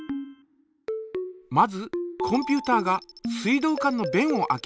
まずコンピュータが水道管のべんを開けます。